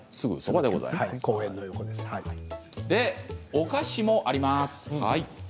お菓子もあります。